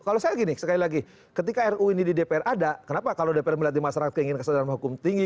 kalau saya gini sekali lagi ketika ru ini di dpr ada kenapa kalau dpr melihat di masyarakat keinginan kesadaran hukum tinggi